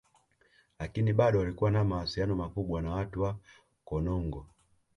Lakini bado walikuwa na mawasiliano makubwa na watu wa Konongo